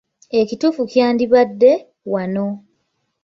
Ekituufu kyandibadde “wano.”